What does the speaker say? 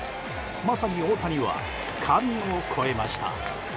まさに大谷は神をも超えました。